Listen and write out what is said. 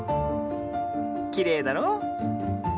きれいだろう。